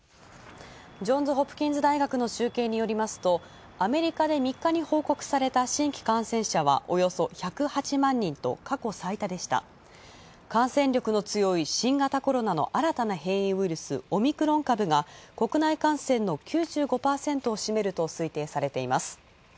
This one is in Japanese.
ジョンズ・ホプキンズ大学の集計によるとアメリカで、３日に報告された新規感染者はおよそ１０８万人と過去最多でした感染力の強い新型コロナの新たな変異ウイルス、オミクロン株が国内感染の９５％を占めると推定されています。